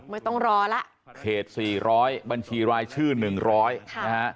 ไม่ต้องรอแล้วเขต๔๐๐บัญชีรายชื่อ๑๐๐นะฮะ